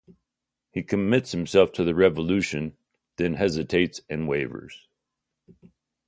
He commits himself to the revolution, then hesitates and wavers.